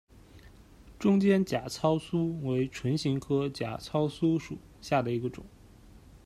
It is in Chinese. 中间假糙苏为唇形科假糙苏属下的一个种。